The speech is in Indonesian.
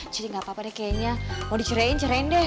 jadi gak apa apanya kayaknya mau dicerain cerain deh